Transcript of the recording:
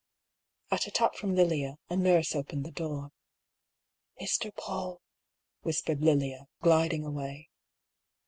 At a tap from Lilia, a nurse opened the door. " Mr. Paull," whispered Lilia, gliding away.